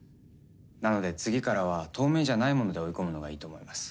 なので次からは透明じゃないもので追い込むのがいいと思います。